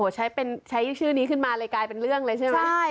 ใช้ชื่อนี้ขึ้นมาเลยกลายเป็นเรื่องเลยใช่ไหม